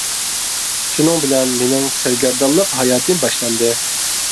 شۇنىڭ بىلەن مىنىڭ سەرگەردانلىق ھاياتىم باشلاندى.